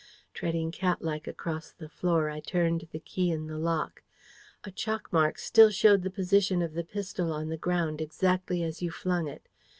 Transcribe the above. Treading cat like across the floor, I turned the key in the lock. A chalk mark still showed the position of the pistol on the ground exactly as you flung it.